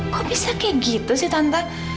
kok bisa kayak gitu sih tante